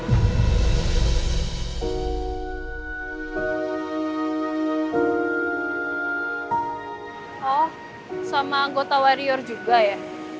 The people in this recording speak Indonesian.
oh sama anggota warrior juga ya